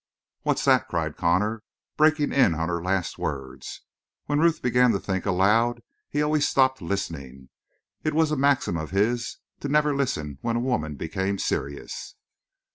"What's that?" cried Connor, breaking in on her last words. When Ruth began to think aloud he always stopped listening; it was a maxim of his to never listen when a woman became serious.